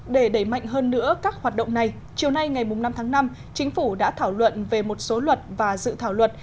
để đẩy mạnh hơn nữa các hoạt động này chiều nay ngày năm tháng năm chính phủ đã thảo luận về một số luật và dự thảo luật